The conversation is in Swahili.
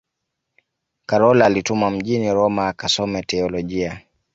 karol alitumwa mjini roma akasome teolojia